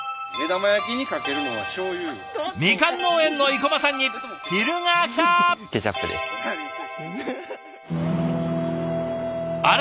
みかん農園の生駒さんに昼がきた！